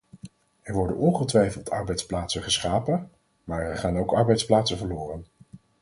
Er worden ongetwijfeld arbeidsplaatsen geschapen, maar er gaan ook arbeidsplaatsen verloren.